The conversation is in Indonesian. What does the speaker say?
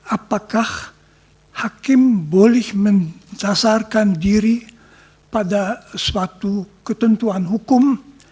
apakah hakim boleh mencasarkan diri pada suatu ketentuan hukum